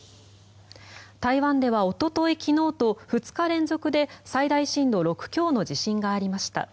台湾ではおととい昨日と２日連続で最大震度６強の地震がありました。